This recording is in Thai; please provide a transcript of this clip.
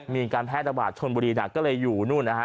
มีการแพร่ระบาดชนบุรีหนักก็เลยอยู่นู่นนะฮะ